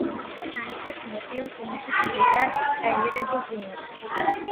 უპირატესობას ანიჭებს ნოტიო, ჰუმუსით მდიდარ დრენირებულ ნიადაგს.